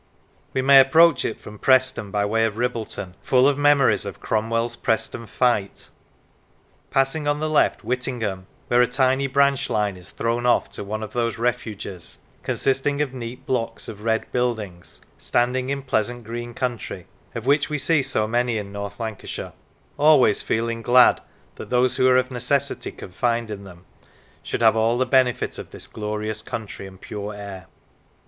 We may approach it from Preston, by way of Ribbleton, full of memories of Cromwell's Preston fight; passing on the left Whittingham, where a tiny branch line is thrown off to one of those refuges, consisting of neat blocks of red buildings, standing in pleasant green country, of which we see so many in North Lancashire; always feeling glad that those who are of necessity confined in them should have all the benefit of this glorious country and pure air.